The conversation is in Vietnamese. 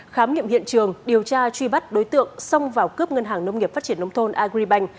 khám nghiệm hiện trường điều tra truy bắt đối tượng xông vào cướp ngân hàng nông nghiệp phát triển nông thôn agribank